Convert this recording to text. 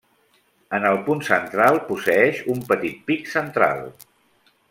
En el punt central posseeix un petit pic central.